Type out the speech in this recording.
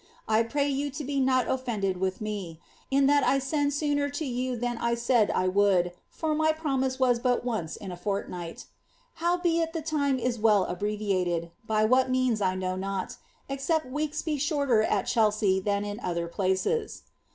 I pray you be not oflended with me, at I send sooner to you than I said I would, fur my promise was but once fortnight. Howbeit the time is well abbreviated^ by what means 1 know except weeks be shorter at Chelsea than in other places.